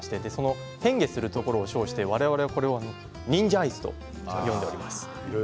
変化するところを称して忍者アイスと呼んでいます。